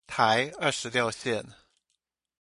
台二十六線